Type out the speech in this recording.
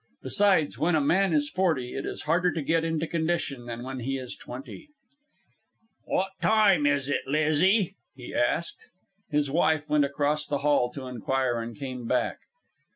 Besides, when a man is forty, it is harder to get into condition than when he is twenty. "What time is it, Lizzie?" he asked. His wife went across the hall to inquire, and came back.